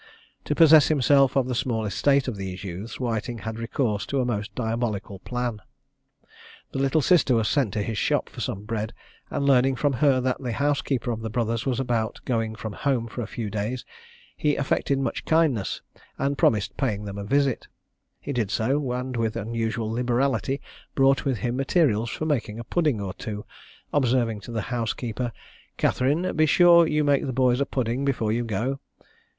To possess himself of the small estate of these youths, Whiting had recourse to a most diabolical plan. The little sister was sent to his shop for some bread, and, learning from her that the housekeeper of the brothers was about going from home for a few days, he affected much kindness, and promised paying them a visit. He did so, and with unusual liberality brought with him materials for making a pudding or two, observing to the housekeeper, "Catherine, be sure you make the boys a pudding before you go."